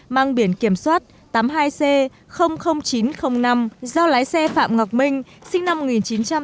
mang biển kiểm soát tám mươi hai c chín trăm linh năm do lái xe phạm ngọc minh sinh năm một nghìn chín trăm tám mươi